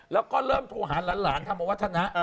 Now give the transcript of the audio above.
และเริ่มก็โทรหารหรรหาร์นะที่ทำอวัฒนะ